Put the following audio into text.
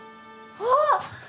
あっ！